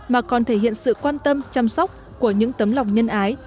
mà còn thể hiện sự quan tâm chăm sóc của những tấm lòng nhân ái